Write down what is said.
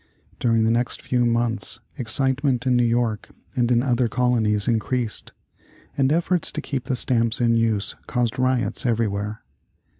During the next few months excitement in New York and in the other colonies increased, and efforts to keep the stamps in use caused riots everywhere.